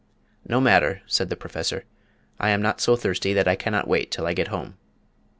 "No matter," said the Professor; "I am not so thirsty that I cannot wait till I get home."